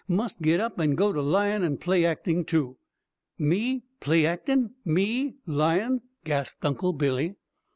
must get up and go to lyin' and play acting too!" "Me play actin'? Me lyin'?" gasped Uncle Billy.